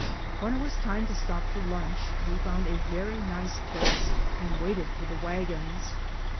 When it was time to stop for lunch, we found a very nice place and waited for the wagons.